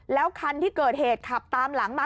แล้วคันที่เกิดเหตุขับตามหลังมา